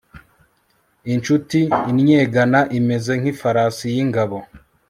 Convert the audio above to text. incuti innyegana imeze nk'ifarasi y'ingabo